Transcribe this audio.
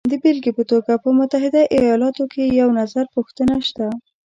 د بېلګې په توګه په متحده ایالاتو کې یو نظرپوښتنه شته